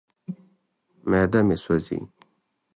معده مې سوځي.